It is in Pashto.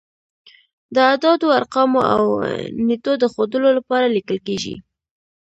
د اعدادو، ارقامو او نېټو د ښودلو لپاره لیکل کیږي.